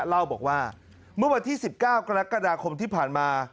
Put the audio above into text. เล่าบอกว่าเมื่อวันที่๑๙กรกฎาคมที่ผ่านมา